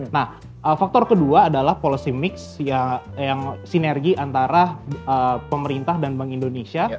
nah faktor kedua adalah policy mix yang sinergi antara pemerintah dan bank indonesia